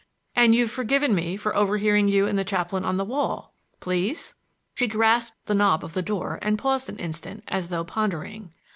And you've forgiven me for overhearing you and the chaplain on the wall—please!" She grasped the knob of the door and paused an instant as though pondering.